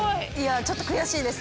ちょっと悔しいです。